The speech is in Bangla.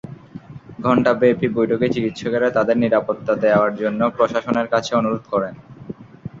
ঘণ্টাব্যাপী বৈঠকে চিকিৎসকেরা তাঁদের নিরাপত্তা দেওয়ার জন্য প্রশাসনের কাছে অনুরোধ করেন।